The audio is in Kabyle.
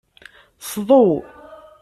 Sḍew.